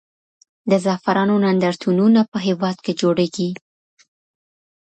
د زعفرانو نندارتونونه په هېواد کې جوړېږي.